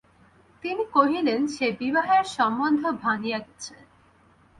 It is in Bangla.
তিনি কহিলেন, সে বিবাহের সম্বন্ধ ভাঙিয়া গেছে।